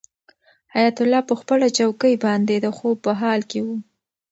حیات الله په خپله چوکۍ باندې د خوب په حال کې و.